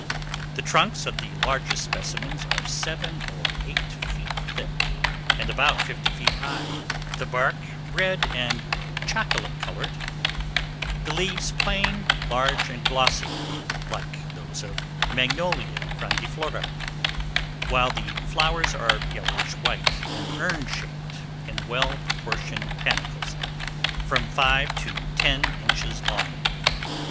The trunks of the largest specimens are seven or eight feet thick, and about fifty feet high; the bark red and chocolate colored, the leaves plain, large, and glossy, like those of Magnolia grandiflora, while the flowers are yellowish white, and urn shaped, in well proportioned panicles, from five to ten inches long.